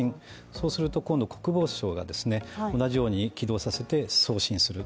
そうすると今度、国防相が同じように起動させて送信する。